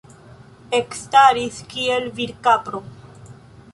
Ekstaris, kiel virkapro.